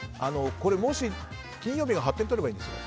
これもし金曜日が８点取ればいいんです。